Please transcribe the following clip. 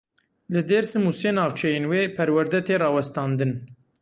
Li Dêrsim û sê navçeyên wê perwerde tê rawestandin.